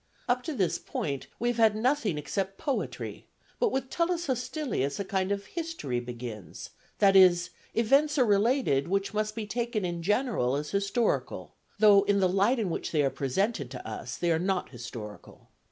Up to this point we have had nothing except poetry, but with Tullus Hostilius a kind of history begins, that is, events are related which must be taken in general as historical, though in the light in which they are presented to us they are not historical.